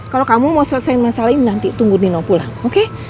kalau kamu mau selesaikan masalah ini nanti tunggu nino pulang